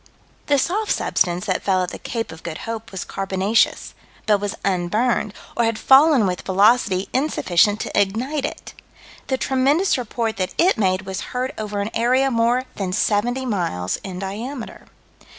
The soft substance that fell at the Cape of Good Hope was carbonaceous, but was unburned, or had fallen with velocity insufficient to ignite it. The tremendous report that it made was heard over an area more than seventy miles in diameter.